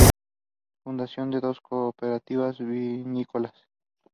Kalinichenkovo is the nearest rural locality.